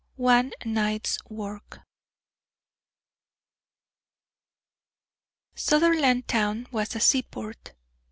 II ONE NIGHT'S WORK Sutherlandtown was a seaport.